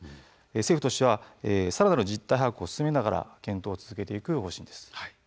政府としてはさらなる実態把握を進めながら検討を続けていく方針です。